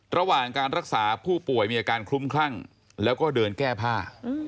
ระหว่างการรักษาผู้ป่วยมีอาการคลุ้มคลั่งแล้วก็เดินแก้ผ้า